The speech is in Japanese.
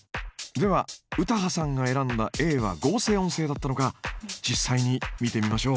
では詩羽さんが選んだＡは合成音声だったのか実際に見てみましょう。